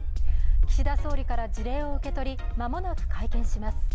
岸田総理から辞令を受け取り、間もなく会見します。